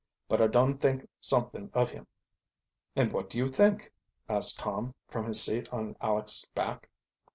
"But I dun think somet'ing of him." "And what do you think?" asked Tom, from his seat on Aleck's back.